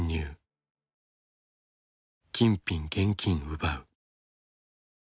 金品現金奪う」。